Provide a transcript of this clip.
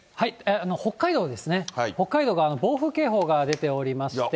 北海道ですね、北海道が暴風警報が出ておりまして。